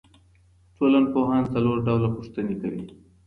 ټولنپوهان څلور ډوله پوښتنې کوي.